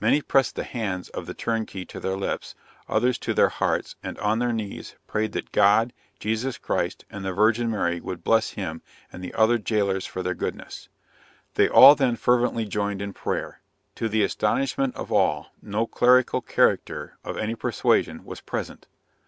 Many pressed the hands of the turnkey to their lips, others to their hearts and on their knees, prayed that God, Jesus Christ, and the Virgin Mary would bless him and the other jailors for their goodness. They all then fervently joined in prayer. To the astonishment of all, no clerical character, of any persuasion, was present.